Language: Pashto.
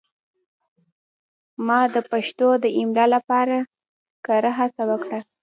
ما د پښتو د املا لپاره کره هڅه وکړه.